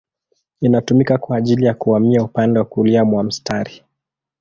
Inatumika kwa ajili ya kuhamia upande wa kulia mwa mstari.